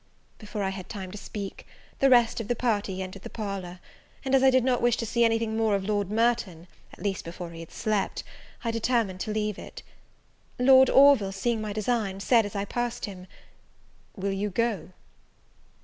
Before I had time to speak, the rest of the party entered the parlour; and, as I did not wish to see anything more of Lord Merton, at least before he had slept, I determined to leave it. Lord Orville, seeing my design, said, as I passed him, "Will you go?"